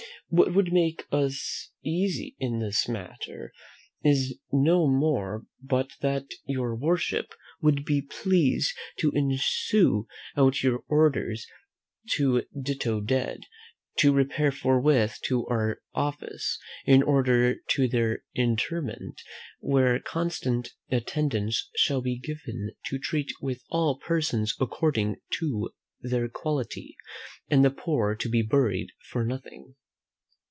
"What would make us easy in this matter is no more but that your Worship would be pleased to issue out your orders to ditto Dead to repair forthwith to our office, in order to their interment, where constant attendance shall be given to treat with all persons according to their quality, and the poor to be buried for nothing.